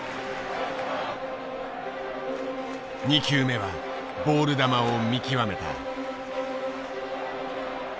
２球目はボール球を見極めた。